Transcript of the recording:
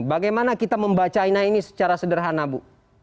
bagaimana kita membacainya ini secara sederhana bu